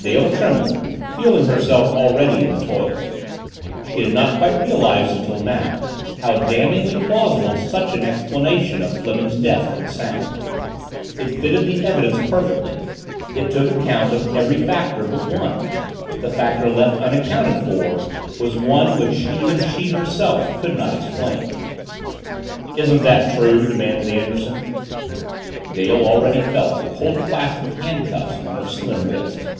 Dale trembled, feeling herself already in the toils. She had not quite realized, until now, how damningly plausible such an explanation of Fleming's death could sound. It fitted the evidence perfectly it took account of every factor but one the factor left unaccounted for was one which even she herself could not explain. "Isn't that true?" demanded Anderson. Dale already felt the cold clasp of handcuffs on her slim wrists.